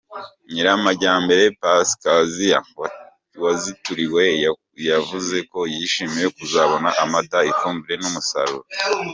Nyiramajyambere Pascasie wazituriwe yavuze ko yishimiye kuzabona amata, ifumbire n’umusaruro.